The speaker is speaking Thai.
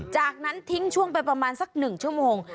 จากนั้นทิ้งช่วงไปประมาณสัก๑ชั่วโมง